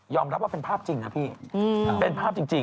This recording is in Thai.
รับว่าเป็นภาพจริงนะพี่เป็นภาพจริง